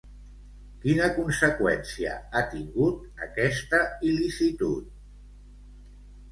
Quina conseqüència ha tingut aquesta il·licitud?